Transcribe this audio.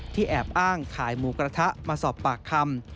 แอบอ้างขายหมูกระทะมาสอบปากคำ